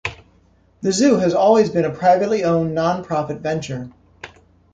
The zoo has always been a privately owned, non-profit venture.